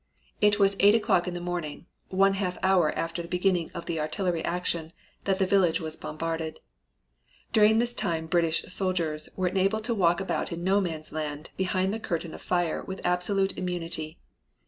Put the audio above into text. It was eight o'clock in the morning, one half hour after the beginning of the artillery action, that the village was bombarded. During this time British soldiers were enabled to walk about in No Man's Land behind the curtain of fire with absolute immunity.